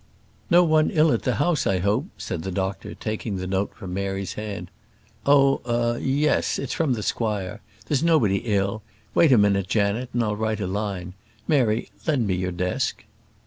"No one ill at the house, I hope," said the doctor, taking the note from Mary's hand. "Oh ah yes; it's from the squire there's nobody ill: wait a minute, Janet, and I'll write a line. Mary, lend me your desk."